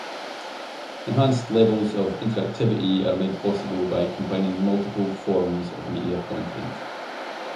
Enhanced levels of interactivity are made possible by combining multiple forms of media content.